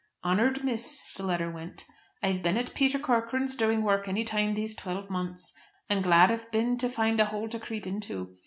"Honoured Miss," the letter went, "I've been at Peter Corcoran's doing work any time these twelve months. And glad I've been to find a hole to creep into.